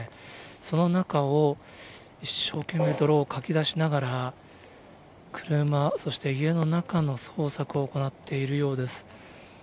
その中を、一生懸命、泥をかき出しながら車、そして家の中の捜索を行っているようです。